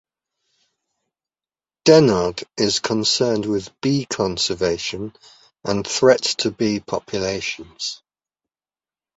Dennard is concerned with bee conservation and threats to bee populations.